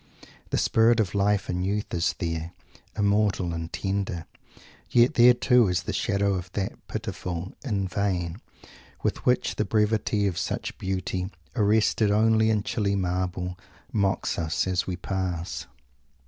The spirit of life and youth is there immortal and tender yet there too is the shadow of that pitiful "in vain," with which the brevity of such beauty, arrested only in chilly marble, mocks us as we pass!